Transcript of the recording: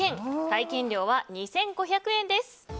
体験料は２５００円です。